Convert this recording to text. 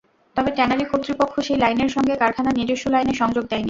তবে ট্যানারি কর্তৃপক্ষ সেই লাইনের সঙ্গে কারখানার নিজস্ব লাইনের সংযোগ দেয়নি।